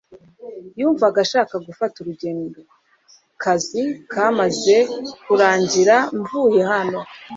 yumvaga ashaka gufata urugendo.kazi kamaze kurangira, mvuye hano